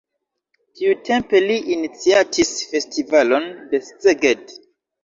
Tiutempe li iniciatis festivalon de Szeged.